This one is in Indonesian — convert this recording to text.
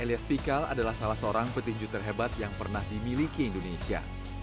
elias pikal adalah salah seorang petinju terhebat yang pernah dimiliki indonesia